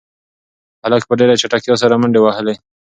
هلک په ډېرې چټکتیا سره منډې وهلې.